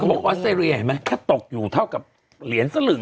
แต่เขาบอกว่าซีเซียแค่ตกอยู่เท่ากับเหรียญสฬึง